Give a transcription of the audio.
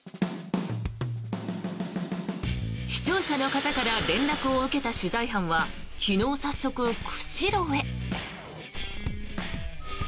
視聴者の方から連絡を受けた取材班は昨日早速、釧路へ。